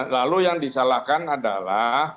lalu yang disalahkan adalah